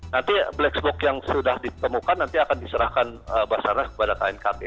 nanti black box yang sudah ditemukan nanti akan diserahkan basarnas kepada knkt